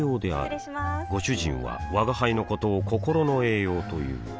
失礼しまーすご主人は吾輩のことを心の栄養という